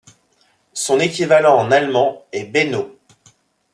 Son équivalent en allemand est Benno.